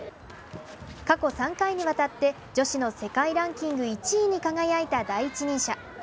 過去３回にわたって女子の世界ランキング１位に輝いた第一人者。